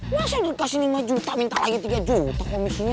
masa udah kasih lima juta minta lagi tiga juta komisinya